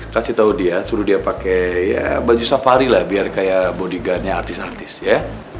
kasih tahu dia suruh dia pakai baju safari lah biar kayak bodi gunnya artis artis ya